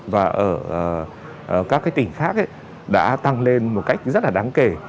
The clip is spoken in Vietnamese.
và ở các tỉnh khác đã tăng lên một cách rất đáng kể